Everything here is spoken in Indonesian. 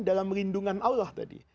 dalam lindungan allah tadi